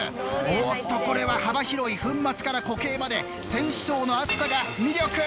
おおっとこれは幅広い粉末から固形まで選手層の厚さが魅力！